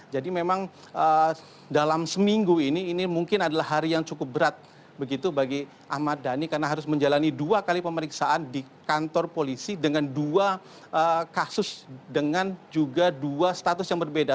jadi memang dalam seminggu ini ini mungkin adalah hari yang cukup berat begitu bagi ahmad dhani karena harus menjalani dua kali pemeriksaan di kantor polisi dengan dua kasus dengan juga dua status yang berbeda